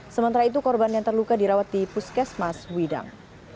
sementara itu korban yang terluka dirawat di puskesmas widang